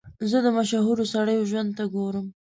زه د مشهورو سړیو ژوند ته ګورم.